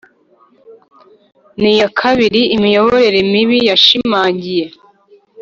n iya kabiri imiyoborere mibi yashimangiye